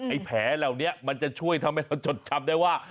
แผลเหล่านี้มันจะช่วยทำให้เราจดจำได้ว่า